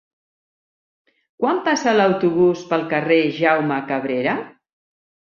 Quan passa l'autobús pel carrer Jaume Cabrera?